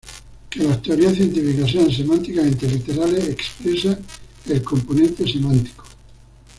Que las teorías científicas sean semánticamente literales expresa el componente semántico.